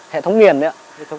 hệ thống nghiền đấy ạ